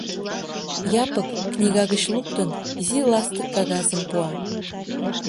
Япык, книга гыч луктын, изи ластык кагазым пуа.